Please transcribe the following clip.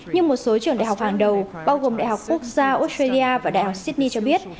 nhưng một số trường đại học hàng đầu bao gồm đại học quốc gia australia và đại học sydney cho biết